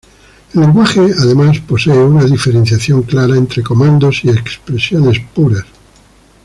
El lenguaje además posee una diferenciación clara entre comandos y expresiones puras.